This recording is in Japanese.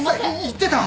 言ってた！